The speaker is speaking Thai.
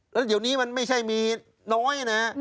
แล้วเดี๋ยวนี้มันไม่ใช่มีน้อยนะ